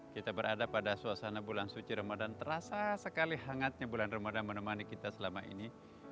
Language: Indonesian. kita berada pada suasana bulan suci ramadan terasa sekali hangatnya bulan ramadan menemani kita selama ini